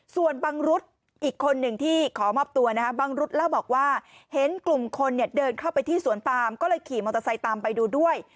ส่วนบังรุษอีกคนหนึ่งที่ขอมอบตัวนะฮะบังรุษเล่าบอกว่าเห็นกลุ่มคนเนี่ยเดินเข้าไปที่สวนปามก็เลยขี่มอเตอร์ไซค์ตามไปดูด้วย